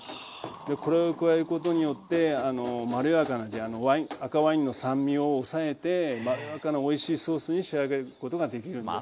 これを加えることによってまろやかな赤ワインの酸味を抑えてまろやかなおいしいソースに仕上げることができるんです。